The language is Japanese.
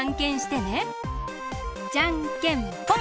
じゃんけんぽん！